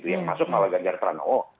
yang masuk malah ganjar pranowo